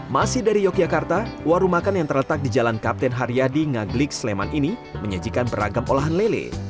masih dari yogyakarta warung makan yang terletak di jalan kapten haryadi ngaglik sleman ini menyajikan beragam olahan lele